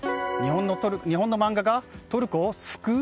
日本のマンガがトルコを救う！？